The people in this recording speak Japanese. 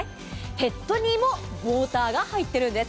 ヘッドにもモーターが入っているんです。